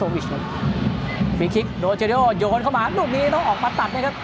มีคลิกโนเจริโอโยนเข้ามาลูกมีต้องออกมาตัดนะครับ